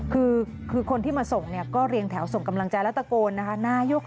คือคนที่มาส่งเนี่ยก็เรียงแถวส่งกำลังใจแล้วตะโกนนะคะ